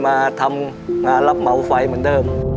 มาทำงานรับเหมาไฟเหมือนเดิม